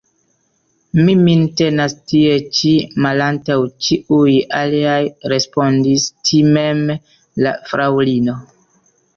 Mi min tenas tie ĉi, malantaŭ ĉiuj aliaj, respondis timeme la fraŭlino.